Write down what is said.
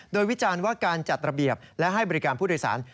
โดยวิจารณ์ว่าการจัดระเบียบและให้บริการผู้โดยสาร